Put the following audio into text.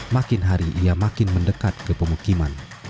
makin hari ia makin mendekat ke pemukiman